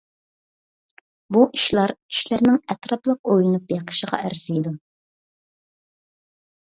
بۇ ئىشلار كىشىلەرنىڭ ئەتراپلىق ئويلىنىپ بېقىشىغا ئەرزىيدۇ.